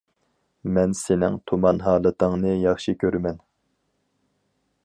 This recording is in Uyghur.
مەن سېنىڭ تۇمان ھالىتىڭنى ياخشى كۆرىمەن.